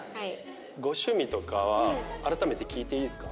ご趣味とかは改めて聞いていいですか？